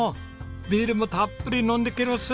ビールもたっぷり飲んでケロス。